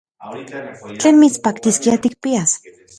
¿Tlen mitspaktiskia tikpias?